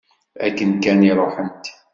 Akken kan i ruḥent.